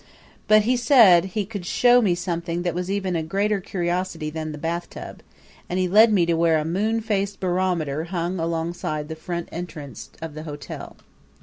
But he said he could show me something that was even a greater curiosity than a bathtub, and he led me to where a moonfaced barometer hung alongside the front entrance of the hotel.